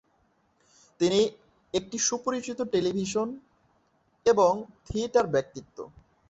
তিনি একটি সুপরিচিত টেলিভিশন এবং থিয়েটার ব্যক্তিত্ব।